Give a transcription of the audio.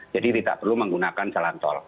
jadi tidak perlu menggunakan jalan tol